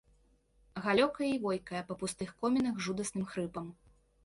Галёкае і войкае па пустых комінах жудасным хрыпам.